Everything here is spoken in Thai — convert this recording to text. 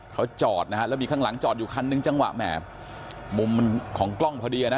เขาจอดนะฮะแล้วมีข้างหลังจอดอยู่คันนึงจังหวะแหม่มุมของกล้องพอดีนะ